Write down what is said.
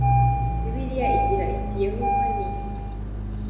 bibiliya igira iti “yehova ni…”